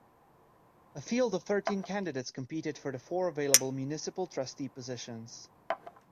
A field of thirteen candidates competed for the four available municipal trustee positions.